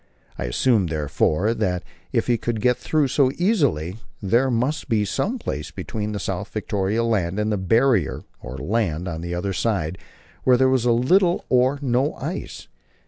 I assumed, therefore, that if he could get through so easily, there must be some place between South Victoria Land and the Barrier (or land) on the other side, where there was little or no ice.